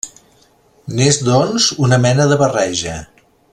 N'és doncs una mena de barreja.